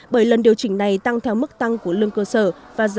bởi lần điều chỉnh này tăng theo mức tăng của lương pháp